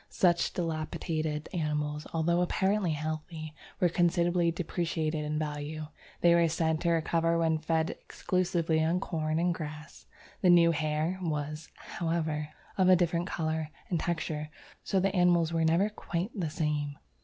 Such depilated animals, although apparently healthy, were considerably depreciated in value. They were said to recover when fed exclusively on corn and grass. The new hair was, however, of a different colour and texture, 'so the animals were never quite the same.'